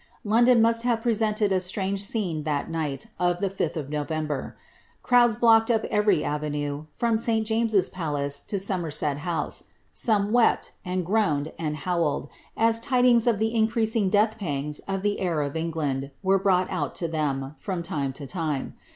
London must have presented a strauizc scene thai niglit of the 5ih of November. Crowds blocked up e>try avenue, from Si. James's Palace, lo Somerset House. Some wept, and groaned, and bowled, as tidings of the increasing deoth pangs of liie her of England were brought out to ihem, from time to lime.